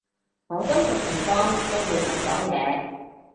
我真實情況都會噉講嘢